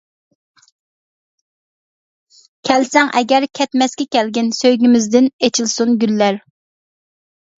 كەلسەڭ ئەگەر كەتمەسكە كەلگىن، سۆيگۈمىزدىن ئېچىلسۇن گۈللەر.